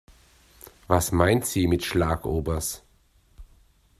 Was meint sie mit Schlagobers?